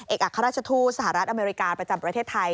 อัครราชทูตสหรัฐอเมริกาประจำประเทศไทย